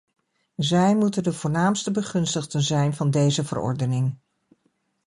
Zij moeten de voornaamste begunstigden zijn van deze verordening.